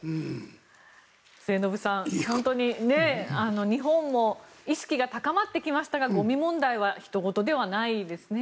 末延さん日本も意識が高まってきましたがゴミ問題はひと事ではないですね。